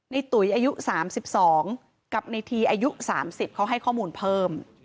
ตุ๋ยอายุ๓๒กับในทีอายุ๓๐เขาให้ข้อมูลเพิ่ม